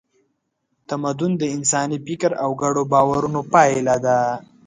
تمدن د انساني فکر او ګډو باورونو پایله ده.